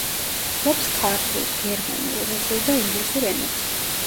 ფლობს ქართულ, გერმანულ, რუსულ და ინგლისურ ენებს.